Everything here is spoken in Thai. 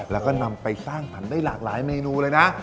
แล้วก็นำไปสร้างสรรค์ได้หลากหลายเมนูเลยนะ